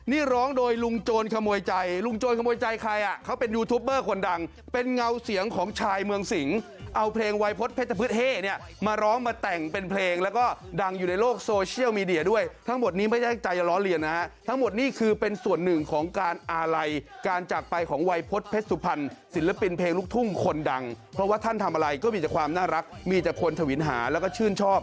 มีลุงโจรขโมยใจลุงโจรขโมยใจใครอ่ะเขาเป็นยูทูปเบอร์คนดังเป็นเงาเสียงของชายเมืองสิงเอาเพลงไวพฤตเผ็ดตะพืชเฮ่เนี่ยมาร้องมาแต่งเป็นเพลงแล้วก็ดังอยู่ในโลกโซเชียลมีเดียด้วยทั้งหมดนี้ไม่ใช่ใจล้อเลียนะฮะทั้งหมดนี้คือเป็นส่วนหนึ่งของการอาลัยการจากไปของไวพฤตเผ็ดสุ